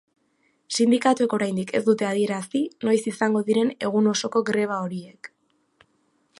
Sindikatuek oraindik ez dute adierazi noiz izango diren egun osoko greba horiek.